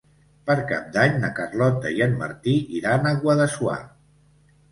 Per Cap d'Any na Carlota i en Martí iran a Guadassuar.